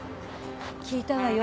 聞いたわよ。